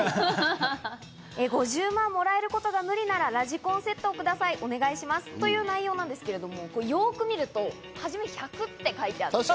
５０万円もらえることが無理ならラジコンセットをくださいということですが、よく見るとはじめ１００って書いてある。